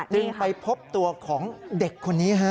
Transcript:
จึงไปพบตัวของเด็กคนนี้ฮะ